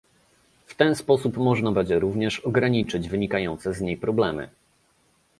W ten sposób można będzie również ograniczyć wynikające z niej problemy